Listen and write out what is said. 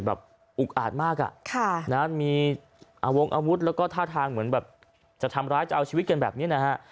อุกอาจมากมีอาวงอาวุธแล้วก็ท่าทางเหมือนแบบจะทำร้ายจะเอาชีวิตกันแบบนี้นะฮะ